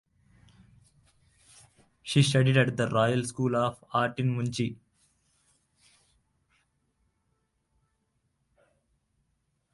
She studied at the Royal School of Art in Munich.